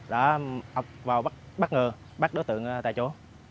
đã bắt đối tượng tại chỗ